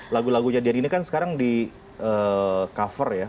lagu lagunya dian ini kan sekarang di cover ya